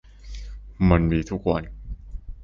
มันมีทุกวัน